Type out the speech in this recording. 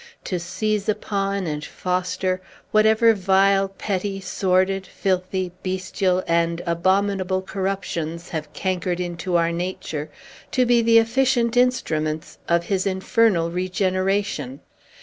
To seize upon and foster whatever vile, petty, sordid, filthy, bestial, and abominable corruptions have cankered into our nature, to be the efficient instruments of his infernal regeneration!